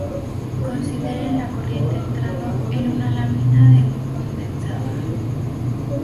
Considere la corriente entrando en una lámina de un condensador.